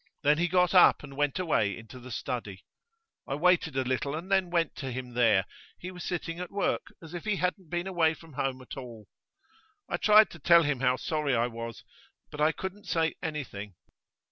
Then he got up and went away into the study. I waited a little, and then went to him there; he was sitting at work, as if he hadn't been away from home at all. I tried to tell him how sorry I was, but I couldn't say anything.